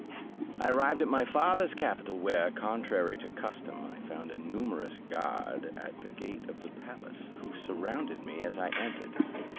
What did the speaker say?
I arrived at my father's capital, where, contrary to custom, I found a numerous guard at the gate of the palace, who surrounded me as I entered.